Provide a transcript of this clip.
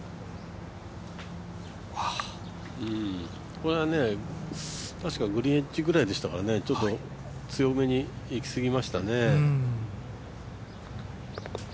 これはね、確かグリーンエッジぐらいでしたからちょっと強めに行きすぎましたね。